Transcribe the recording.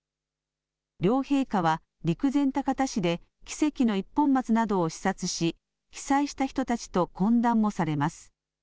両陛下は陸前高田市で奇跡の一本松などを視察し被災した人たちと懇談もされます。